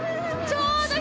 ◆ちょうど！